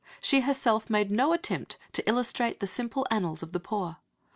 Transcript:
She herself made no attempt to illustrate the "simple annals of the poor."